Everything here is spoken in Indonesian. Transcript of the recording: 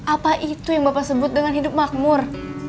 apa itu yang bapak sebut dengan hidup makmur